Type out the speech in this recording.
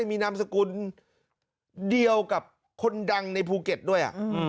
มีนามสกุลเดียวกับคนดังในภูเก็ตด้วย